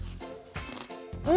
うん！